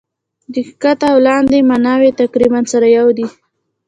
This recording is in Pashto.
د کښته او لاندي ماناوي تقريباً سره يو دي.